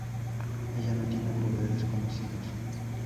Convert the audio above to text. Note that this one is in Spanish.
Ella no tiene poderes conocidos.